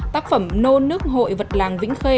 tác phẩm nôn nước hội vật làng vĩnh khê